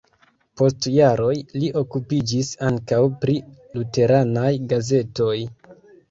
Post jaroj li okupiĝis ankaŭ pri luteranaj gazetoj.